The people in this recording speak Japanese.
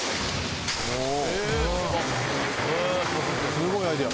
すごいアイデア。